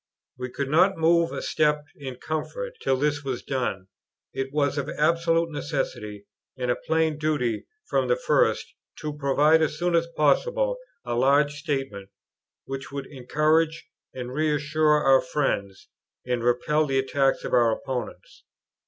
We could not move a step in comfort, till this was done. It was of absolute necessity and a plain duty from the first, to provide as soon as possible a large statement, which would encourage and reassure our friends, and repel the attacks of our opponents.